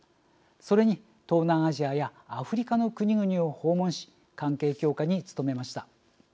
それに東南アジアやアフリカの国々などを訪問し関係強化に努めました。